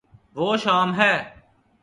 وہ شام ہے